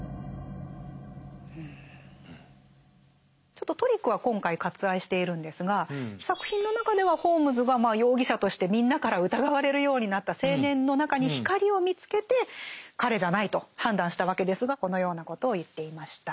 ちょっとトリックは今回割愛しているんですが作品の中ではホームズが容疑者としてみんなから疑われるようになった青年の中に光を見つけて彼じゃないと判断したわけですがこのようなことを言っていました。